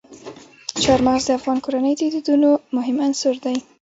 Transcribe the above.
چار مغز د افغان کورنیو د دودونو مهم عنصر دی.